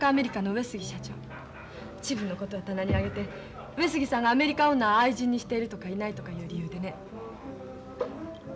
自分のことは棚に上げて上杉さんがアメリカ女を愛人にしてるとかいないとかいう理由でね。